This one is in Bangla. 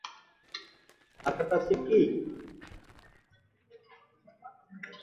কিন্তু তুমি তাকে মেরে ফেললে, আমার ক্রোধ তুমি সামলাতে পারবে না।